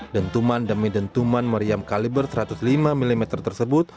dentuman demi dentuman meriam kaliber satu ratus lima mm tersebut